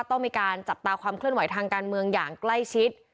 ต้องมีการจับตาความเคลื่อนไหวทางการเมืองอย่างใกล้ชิด